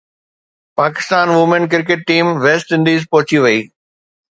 Pakistan women cricket team West Indies پهچي وئي